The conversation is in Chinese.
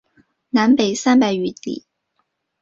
南北三百余里。